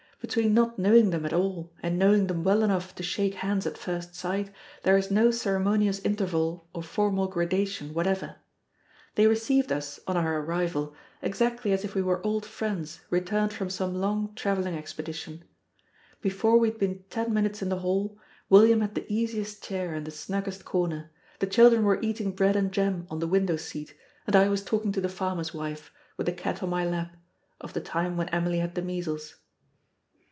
Between not knowing them at all, and knowing them well enough to shake hands at first sight, there is no ceremonious interval or formal gradation whatever. They received us, on our arrival, exactly as if we were old friends returned from some long traveling expedition. Before we had been ten minutes in the hall, William had the easiest chair and the snuggest corner; the children were eating bread and jam on the window seat; and I was talking to the farmer's wife, with the cat on my lap, of the time when Emily had the measles.